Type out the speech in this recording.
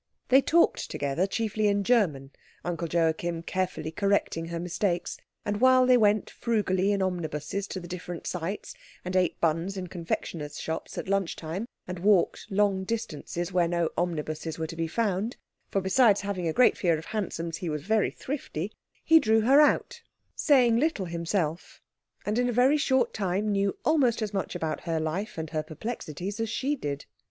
They talked together chiefly in German, Uncle Joachim carefully correcting her mistakes; and while they went frugally in omnibuses to the different sights, and ate buns in confectioners' shops at lunch time, and walked long distances where no omnibuses were to be found for besides having a great fear of hansoms he was very thrifty he drew her out, saying little himself, and in a very short time knew almost as much about her life and her perplexities as she did.